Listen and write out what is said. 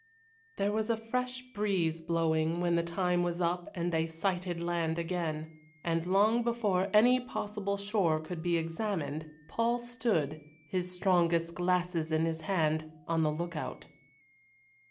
There was a fresh breeze blowing when the time was up and they sighted land again, and long before any possible shore could be examined, Paul stood his strongest glasses in his hand on the look out.